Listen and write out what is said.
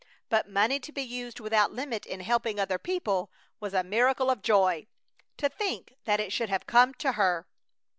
But money to be used without limit in helping other people was a miracle of joy. To think that it should have come to her!